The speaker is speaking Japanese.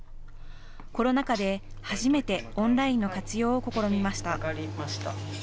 コロナ禍で初めてオンラインの活用を試みました。